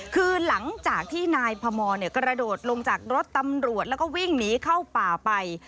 คือหลังจากที่นายพมรกระโดดลงจากรถตำรวจแล้วก็วิ่งหนีเข้าป่าไป